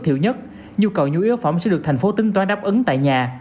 thiểu nhất nhu cầu nhu yếu phỏng sẽ được thành phố tính toán đáp ứng tại nhà